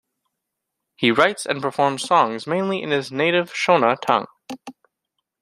He writes and performs songs mainly in his native Shona tongue.